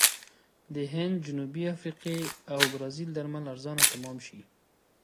د هند، جنوبي افریقې او برازیل درمل ارزانه تمام شي.